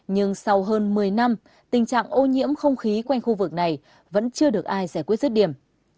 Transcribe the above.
nhưng sau hơn một mươi năm tình trạng ô nhiễm không khí quanh khu vực này vẫn chưa được ai giải quyết rứt điểm